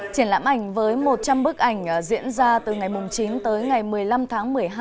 triển lãm ảnh với một trăm linh bức ảnh diễn ra từ ngày chín tới ngày một mươi năm tháng một mươi hai